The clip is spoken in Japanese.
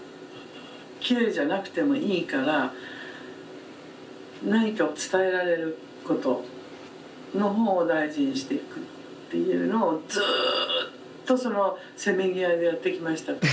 きれいじゃなくてもいいから何かを伝えられることの方を大事にしていくっていうのをずっとそのせめぎ合いでやってきましたから。